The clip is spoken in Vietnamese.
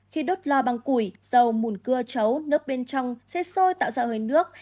khi đốt lò bằng củi dầu mùn cưa chấu nước bên trong sẽ sôi tạo ra hơi nước